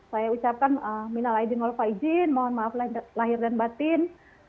saya ucapkan minal aidin wal faizin mohon maaf lahir dan batin